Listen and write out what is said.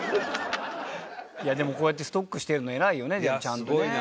いやでもこうやってストックしてるの偉いよねでもちゃんとね。